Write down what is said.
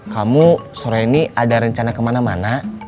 kamu sore ini ada rencana kemana mana